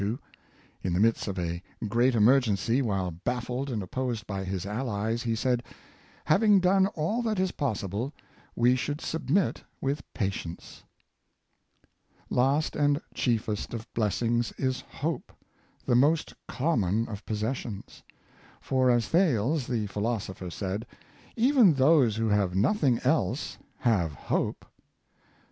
In the midst of a great emergency, while baffled and opposed by his alHes, he said: " Having done all that is possible, we should submit with pa tience." Last and chiefest of blessings is hope, the most com mon of possessions; for, as Thales, the philosopher, said, '' Even those who have nothing else have hope."